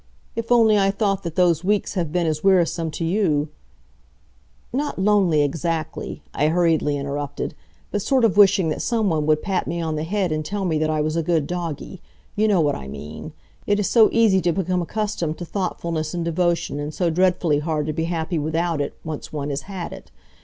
If only I thought that those weeks have been as wearisome to you " "Not lonely exactly," I hurriedly interrupted, "but sort of wishing that some one would pat me on the head and tell me that I was a good doggie. You know what I mean. It is so easy to become accustomed to thoughtfulness and devotion, and so dreadfully hard to be happy without it, once one has had it.